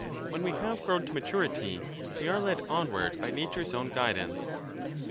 xjci we have grown to maturity, we are led onward by nature's own guidance.